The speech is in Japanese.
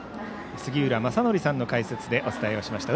杉浦正則さんの解説でお伝えしました。